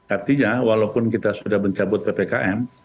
artinya walaupun kita sudah mencabut ppkm